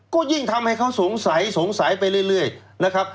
ก็ยิ่งทำให้เขาสงสัยสงสัยไปเรื่อยนะครับ